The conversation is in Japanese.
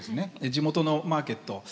地元のマーケット